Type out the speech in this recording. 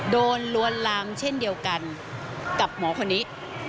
ลวนลามเช่นเดียวกันกับหมอคนนี้